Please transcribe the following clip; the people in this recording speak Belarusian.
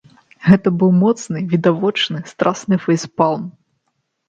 Гэта быў моцны, відавочны, страсны фэйспалм.